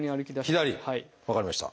分かりました。